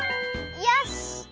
よし！